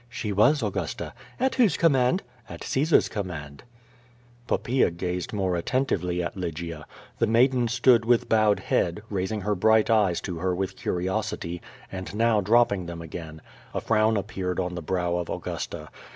"She was, Augusta." "At whose command?" "At Caesar's command." Poppaea gazed more attentively at Lygia. The maiden stood with bowed head, raising her bright eyes to her with curiosity, and now dropping them again. A frown appeared on the brow of Augusta.